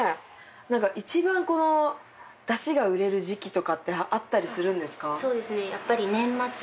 一番出汁が売れる時期とかってあったりするんですか？